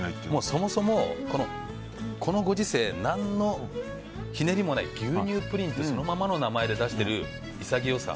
そもそもこのご時世何のひねりもない牛乳プリンってそのままの名前で出している潔さ。